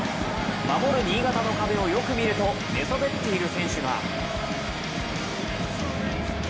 守る新潟の壁をよく見ると、寝そべっている選手が。